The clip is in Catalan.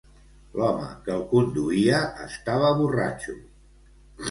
L'home que el conduïa estava borratxo.